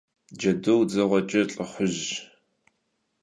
Cedur dzığueç'e lh'ıxhujş.